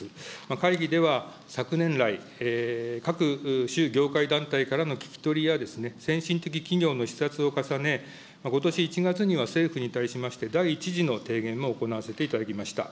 会議では、昨年来、各種業界団体からの聞き取りや、先進的企業の視察を重ね、ことし１月には政府に対しまして、第１次の提言を行わせていただきました。